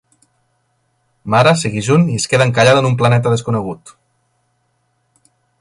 Mara segueix un i es queda encallada en un planeta desconegut.